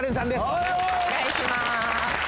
お願いします